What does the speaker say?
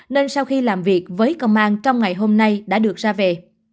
nên sau khi làm việc với công an trong ngày hôm nay đã được ra về